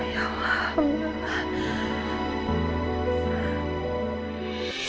ya allah alhamdulillah